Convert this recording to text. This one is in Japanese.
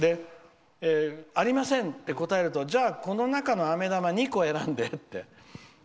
「ありませんって答えるとじゃあ、この中のあめ玉２個選んでって。